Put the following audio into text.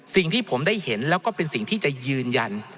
สิ่งที่ผมได้เห็นแล้วก็เป็นสิ่งที่จะยืนยัน